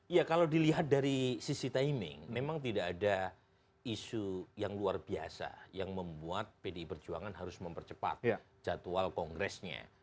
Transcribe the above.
ya kalau dilihat dari sisi timing memang tidak ada isu yang luar biasa yang membuat pdi perjuangan harus mempercepat jadwal kongresnya